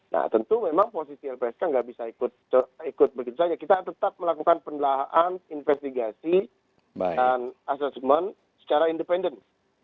nah tentu memang posisi lpsk nggak bisa ikut begitu saja kita tetap melakukan pendelaan investigasi dan assessment secara independen